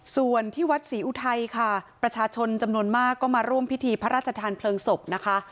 ส่วนที่วัดศรีอุทัยค่ะประชาชนจำนวนมากก็มาร่วมพิธีพระราชทานเพลิงศพนะคะ